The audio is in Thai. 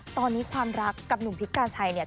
ตอนนี้ความรักกับหนุ่มภิกต์กาชัย